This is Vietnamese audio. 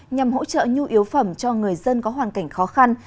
nhằm hỗ trợ nhu yếu phẩm cho người dân có hoàn cảnh khó khăn